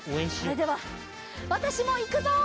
それではわたしもいくぞ！